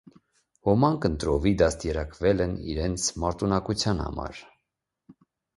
Ոմանք ընտրովի դաստիարակվել են իրենց մարտունակության համար։